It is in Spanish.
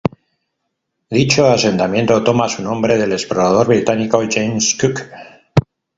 Dicho asentamiento toma su nombre del explorador británico James Cook.